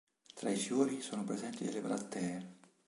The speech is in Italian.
Tra i fiori sono presenti delle brattee.